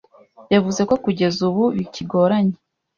Yavuze ko kugeza ubu bikigoranye